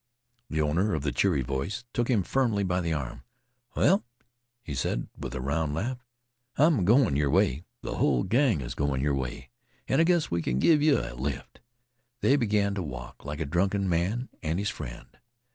The owner of the cheery voice took him firmly by the arm. "Well," he said, with a round laugh, "I'm goin' your way. Th' hull gang is goin' your way. An' I guess I kin give yeh a lift." They began to walk like a drunken man and his friend.